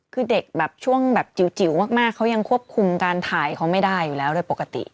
คือเด็กแบบช่วงแบบจิ๋วมากเขายังควบคุมการถ่ายเขาไม่ได้อยู่แล้วโดยปกติ